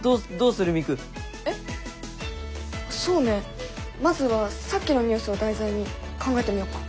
そうねまずはさっきのニュースを題材に考えてみよっか。